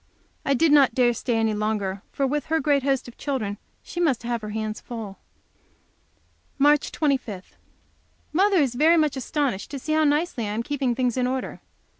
I did not dare to stay any longer, for, with her great host of children, she must have her hands full. March 25. Mother is very much astonished to see how nicely I am keeping things in order.